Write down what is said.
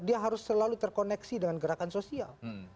dia harus selalu terkoneksi dengan gerakan sosial